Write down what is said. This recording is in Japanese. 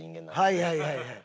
はいはいはいはい。